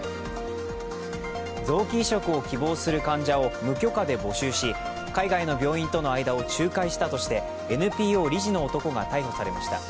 臓器移植を希望する患者を無許可で募集し海外の病院との間を仲介したとしてＮＰＯ理事の男が逮捕されました。